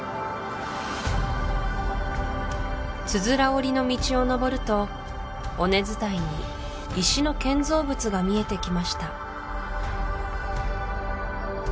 つづら折りの道をのぼると尾根伝いに石の建造物が見えてきました